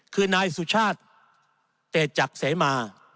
คือนายสุชาติเตจักรเสมา